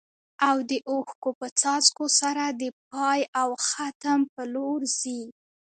او د اوښکو په څاڅکو سره د پای او ختم په لور ځي.